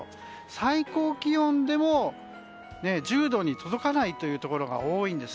最高気温でも１０度に届かないというところが多いです。